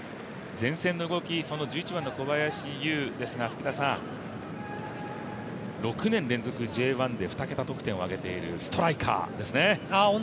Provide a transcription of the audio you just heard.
前線の動き、小林悠の動きですが６年連続Ｊ１で２桁得点を挙げているストライカーですね。